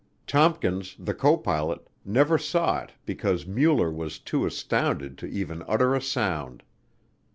Tompkins, the co pilot, never saw it because Mueller was too astounded to even utter a sound.